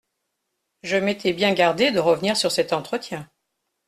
Je m'étais bien gardé de revenir sur cet entretien.